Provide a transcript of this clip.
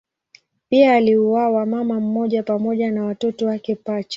Pia aliuawa mama mmoja pamoja na watoto wake pacha.